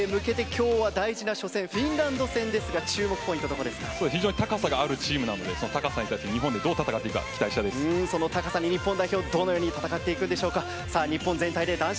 今日は大事な初戦フィンランド戦ですが高さがあるチームなので高さに対して日本がどう戦っていくかその高さに日本代表どのように戦っていくんでしょうか。